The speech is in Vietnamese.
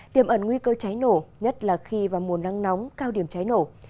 tiềm ẩn nguy cơ cháy nổ nhất là khi vào mùa nắng nóng cao điểm cháy nổ